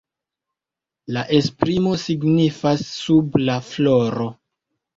La esprimo signifas „sub la floro“.